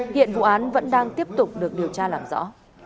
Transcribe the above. hiện vụ án vẫn đang tiếp tục được điều tra làm rõ